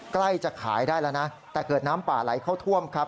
ใกล้จะขายได้แล้วนะแต่เกิดน้ำป่าไหลเข้าท่วมครับ